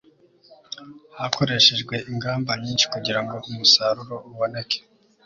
hakoreshejwe ingamba nyinshi kugirango umusaruro uboneke